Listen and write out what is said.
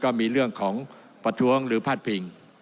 ก็มีเรื่องของพธวงหรือพาตปิ่ง